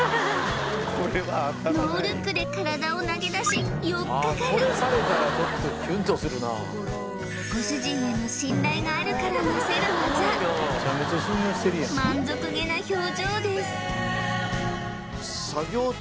ノールックで体を投げだし寄っかかるご主人への信頼があるからなせる技満足げな表情です